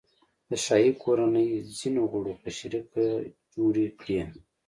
د شاهي کورنۍ ځینو غړو په شریکه جوړې کړي.